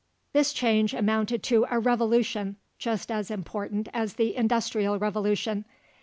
This change amounted to a revolution just as important as the Industrial Revolution.